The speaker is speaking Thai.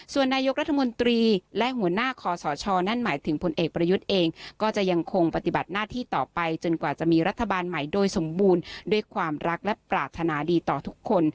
ส่วนนายกรัฐมนตรีและหัวหน้าคอสชนั่นหมายถึงผลเอกประยุทธ์เองก็จะยังคงปฏิบัติหน้าที่ต่อไปจนกว่าจะมีรัฐบาลใหม่โดยสมบูรณ์ด้วยความรักและปรารถนาดีต่อทุกคน